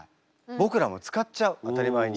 僕らも使っちゃう当たり前に。